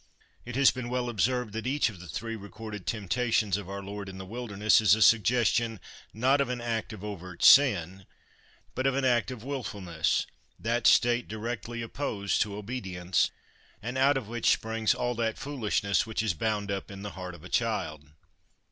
It has been well observed that each of the three recorded temptations of our Lord in the wilderness is a suggestion, not of an act of overt sin, b ut of an act of wilfulness, that state directly opposed to obedience, and out of which springs all that foolishness which is bound up in the heart of a child.